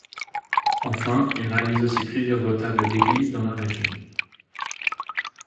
Enfin il réalise aussi plusieurs retables d'église dans la région.